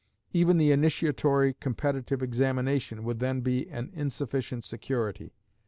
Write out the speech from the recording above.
Even the initiatory competitive examination would then be an insufficient security.